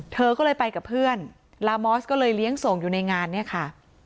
เธอก็เลยไปกับเพื่อนลามอสก็เลยเลี้ยงส่งอยู่ในงานเนี่ยค่ะ